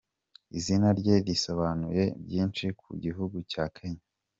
Izina rye risobanuye byinshi ku gihugu cya Kenya